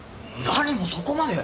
何もそこまで！